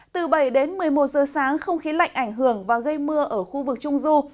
từ bảy đến một mươi một giờ sáng không khí lạnh ảnh hưởng và gây mưa ở khu vực trung du